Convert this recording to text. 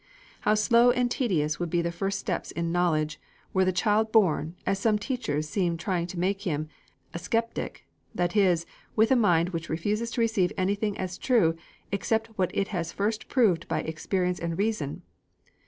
How slow and tedious would be the first steps in knowledge, were the child born, as some teachers seem trying to make him, a sceptic, that is, with a mind which refuses to receive anything as true, except what it has first proved by experience and reason!